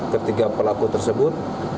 ketiga pelaku tersebut